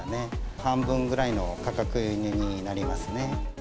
半分ぐらいの価格になりますね。